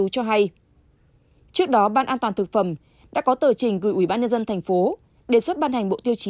cho hay trước đó ban an toàn thực phẩm đã có tờ trình gửi ubnd tp đề xuất ban hành bộ tiêu chí